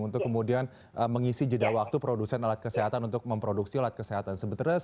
untuk kemudian mengisi jeda waktu produsen alat kesehatan untuk memproduksi alat kesehatan